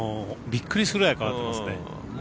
びっくりするぐらい変わってますね。